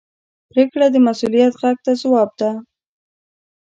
پرېکړه د مسؤلیت غږ ته ځواب ده.